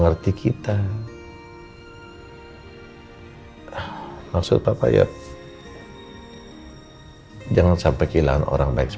untuk semua orang yang telah menonton